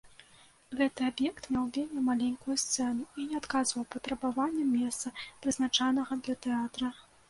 Гэты аб'ект меў вельмі маленькую сцэну і не адказваў патрабаванням месца, прызначанага для тэатра.